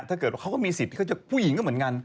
ถ้าเกิดว่าเขาก็มีสิทธิ์เขาจะผู้หญิงก็เหมือนกัน